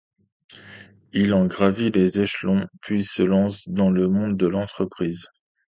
Il en gravit les échelons, puis se lance dans le monde de l'entreprise.